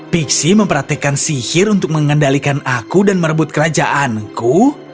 pixie memperhatikan sihir untuk mengendalikan aku dan merebut kerajaanku